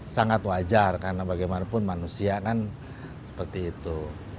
sangat wajar karena bagaimanapun manusia kan seperti itu